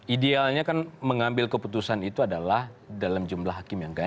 idealnya kan mengambil keputusan itu adalah dalam jumlah hakim yang gagal